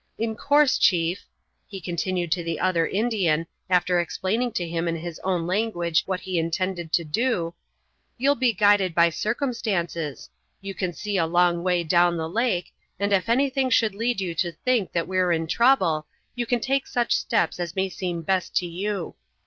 In course, chief," he continued to the other Indian, after explaining to him in his own language what he intended to do, "you'll be guided by circumstances you can see a long way down the lake, and ef anything should lead you to think that we're in trouble, you can take such steps as may seem best to you.